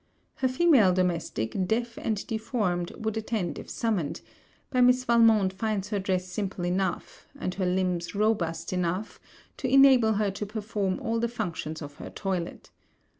Her female domestic, deaf and deformed, would attend if summoned; but Miss Valmont finds her dress simple enough, and her limbs robust enough, to enable her to perform all the functions of her toilet.